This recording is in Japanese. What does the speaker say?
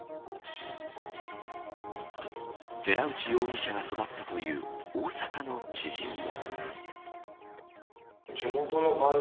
寺内容疑者が育ったという大阪の知人も。